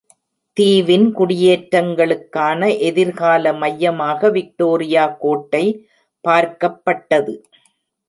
தீவின் குடியேற்றங்களுக்கான எதிர்கால மையமாக விக்டோரியா கோட்டை பார்க்கப்பட்டது.